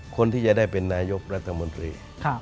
คนที่จะได้เป็นนายกรัฐมนตรี